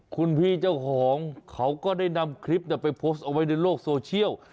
คุณพี่เจ้าของเขาก็ได้นำคลิปไปโพสต์เอาไว้ในโลกโซเชียล